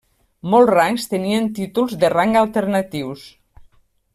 Molts rangs tenien títols de rang alternatius.